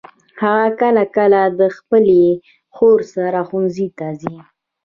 هغه کله کله د خپلي خور سره ښوونځي ته ځي.